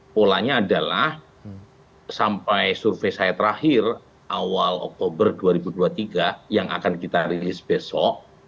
polanya adalah sampai survei saya terakhir awal oktober dua ribu dua puluh tiga yang akan kita rilis besok